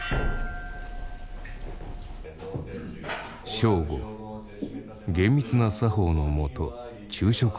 正午厳密な作法のもと昼食をとる。